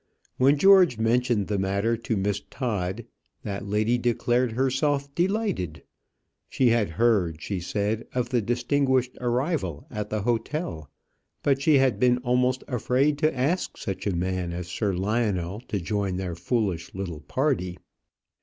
When George mentioned the matter to Miss Todd, that lady declared herself delighted. She had heard, she said, of the distinguished arrival at the hotel, but she had been almost afraid to ask such a man as Sir Lionel to join their foolish little party.